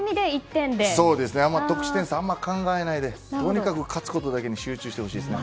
得失点差はあんまり考えないでとにかく勝つことだけに集中してほしいですね。